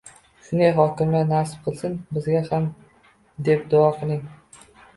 Shunday hokimlar nasib qilsin bizga ham, deb duo qiling